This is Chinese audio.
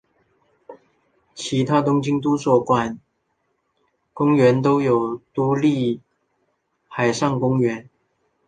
其他东京都所管公园有都立海上公园。